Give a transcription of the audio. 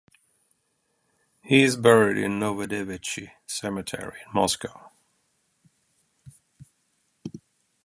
He is buried in Novodevichy Cemetery in Moscow.